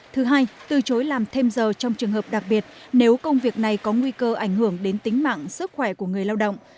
thứ hai từ chối làm thêm giờ trong trường hợp đặc biệt nếu công việc này có nguy cơ ảnh hưởng đến tính mạng sức khỏe của người lao động